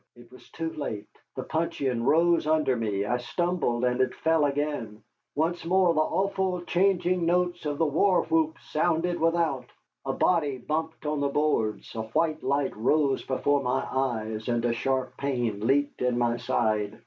It was too late. The puncheon rose under me, I stumbled, and it fell again. Once more the awful changing notes of the war whoop sounded without. A body bumped on the boards, a white light rose before my eyes, and a sharp pain leaped in my side.